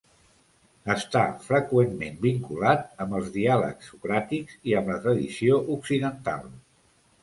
Està freqüentment vinculat amb els diàlegs socràtics i amb la tradició occidental.